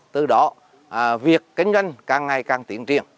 từ đó việc kinh doanh càng ngày càng tiến triển